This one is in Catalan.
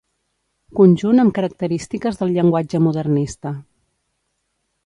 Conjunt amb característiques del llenguatge modernista.